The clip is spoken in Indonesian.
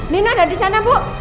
mino ada di sana bu